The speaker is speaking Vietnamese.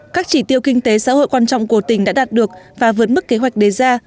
các chỉ tiêu kinh tế xã hội quan trọng của tỉnh đã đạt được và vượt mức kế hoạch đề ra